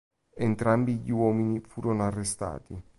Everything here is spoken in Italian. Entrambi gli uomini furono arrestati.